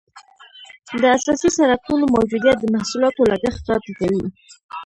د اساسي سرکونو موجودیت د محصولاتو لګښت را ټیټوي